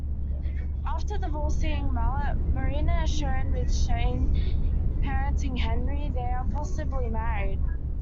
After divorcing Mallet, Marina is shown with Shayne parenting Henry, they are possibly married.